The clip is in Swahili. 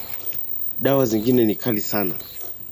Dawa zingine ni kali sana